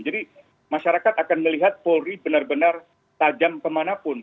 jadi masyarakat akan melihat polri benar benar tajam kemanapun